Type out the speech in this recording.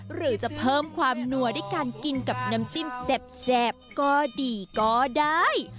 หรือจะเพิ่มความนัวด้วยการกินกับน้ำจิ้มแซ่บก็ดีก็ได้